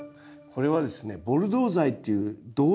これはですねボルドー剤っていう銅剤。